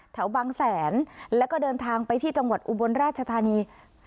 แถวบางแสนแล้วก็เดินทางไปที่จังหวัดอุบลราชธานี